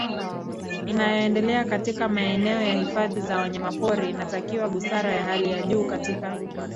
inayoendelea katika maeneo ya hifadhi za wanyamapori Inatakiwa busara ya hali ya juu katika